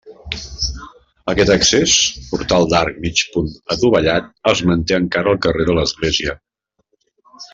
Aquest accés, portal d'arc de mig punt adovellat, es manté encara al carrer de l'Església.